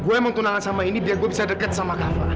gue emang tunangan sama indi biar gue bisa deket sama kafa